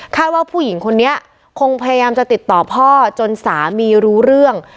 ว่าผู้หญิงคนนี้คงพยายามจะติดต่อพ่อจนสามีรู้เรื่อง